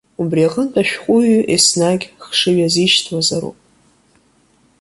Убри аҟнытә ашәҟәыҩҩы еснагь хшыҩ азишьҭуазароуп.